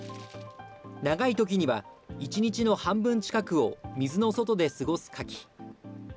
長いときには、１日の半分近くを水の外で過ごすカキ。